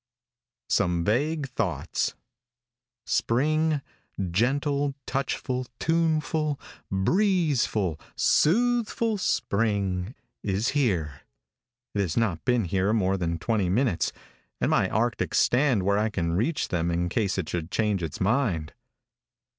SOME VAGUE THOUGHTS. |SPRING, gentle, touchful, tuneful, breezeful, soothful spring is here. It has not been here more than twenty minutes, and my arctics stand where I can reach them in case it should change its mind.